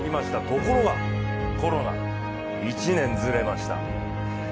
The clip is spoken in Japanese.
ところが、コロナ、１年ずれました。